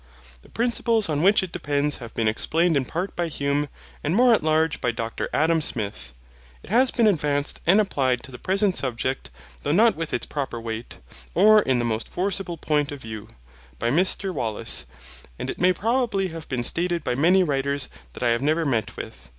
The principles on which it depends have been explained in part by Hume, and more at large by Dr Adam Smith. It has been advanced and applied to the present subject, though not with its proper weight, or in the most forcible point of view, by Mr Wallace, and it may probably have been stated by many writers that I have never met with.